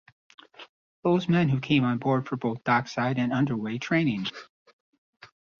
Those men came on board for both dockside and underway training.